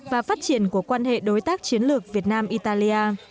và phát triển của quan hệ đối tác chiến lược việt nam italia